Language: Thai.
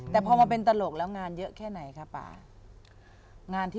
แล้วถ้าเล่นตลกงานเยอะไง